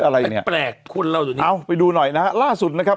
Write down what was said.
อะไรเนี้ยแปลกคุณเล่าจุดนี้เอาไปดูหน่อยนะฮะล่าสุดนะครับ